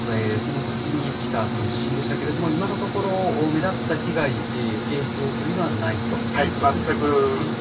そのときに来た地震でしたけれども、今のところ目立った被害、影響というのはないということになりますね。